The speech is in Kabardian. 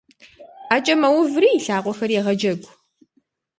Ӏэкӏэ мэуври и лъакъуэхэр егъэджэгу.